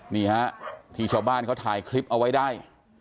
นี่ฮะที่ชาวบ้านเขาถ่ายคลิปเอาไว้ได้